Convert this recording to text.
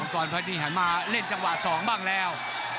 ก่อนพอดีหันมาเล่นจังหวะ๒บ้างแล้ว